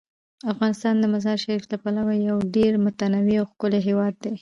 افغانستان د مزارشریف له پلوه یو ډیر متنوع او ښکلی هیواد دی.